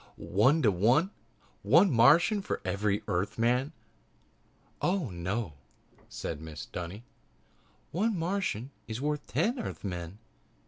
"One to one? One Martian for every Earthman?" "Oh, no," said Mrs. Dunny, "one Martian is worth ten Earthmen.